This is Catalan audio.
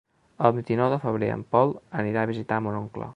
El vint-i-nou de febrer en Pol anirà a visitar mon oncle.